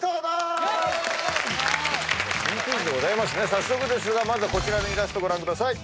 早速ですがまずはこちらのイラストご覧ください。